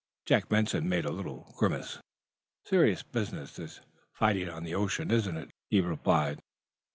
Jack Benson made a little grimace. "Serious business, this fighting on the ocean, isn't it?" he replied.